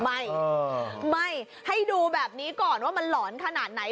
ไม่ไม่ให้ดูแบบนี้ก่อนว่ามันหลอนขนาดไหน